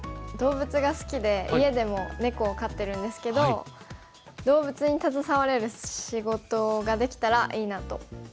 動物が好きで家でも猫を飼ってるんですけど動物に携われる仕事ができたらいいなと。